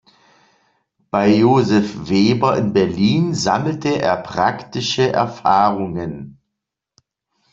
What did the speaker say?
Bei Josef Weber in Berlin sammelte er praktische Erfahrungen.